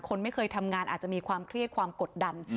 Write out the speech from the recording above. คนไม่เคยทำงานอาจจะมีความเครียดความกดดัน